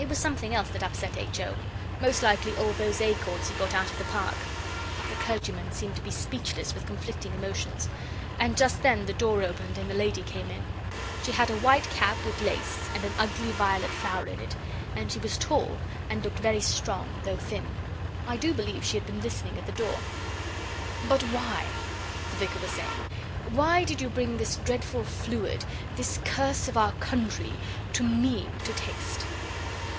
It was something else that upset H. O. Most likely all those acorns he got out of the Park.' The clergyman seemed to be speechless with conflicting emotions, and just then the door opened and a lady came in. She had a white cap with lace, and an ugly violet flower in it, and she was tall, and looked very strong, though thin. And I do believe she had been listening at the door. 'But why,' the Vicar was saying, 'why did you bring this dreadful fluid, this curse of our country, to me to taste?